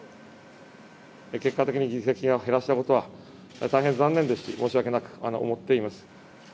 結果的に議席を減らしたことは、大変残念ですし、申し訳なく思っています。